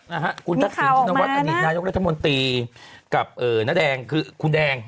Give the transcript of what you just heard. นะฮะคุณทักษิณชินวัฒนอดีตนายกรัฐมนตรีกับเอ่อน้าแดงคือคุณแดง